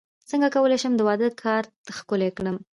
څنګه کولی شم د واده کارت ښکلی کړم